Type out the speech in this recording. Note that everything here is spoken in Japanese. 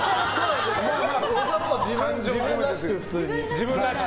自分らしく普通に。